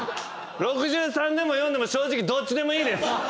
６３でも４でも正直どっちでもいいです。